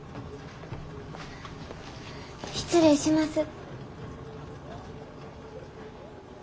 失礼します。